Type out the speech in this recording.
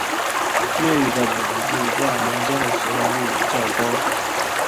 粤语的本字在民间的使用率较高。